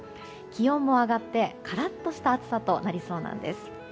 気温も上がってカラッとした暑さとなりそうなんです。